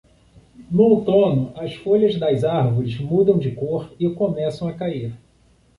No outono as folhas das árvores mudam de cor e começam a cair